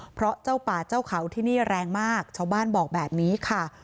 เพราะเจ้าป่าเจ้าเขาที่นี่แรงมากชาวบ้านบอกแบบนี้ค่ะ